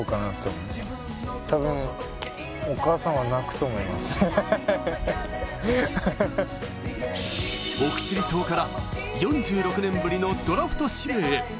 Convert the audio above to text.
すると奥尻島から４６年ぶりのドラフト指名へ。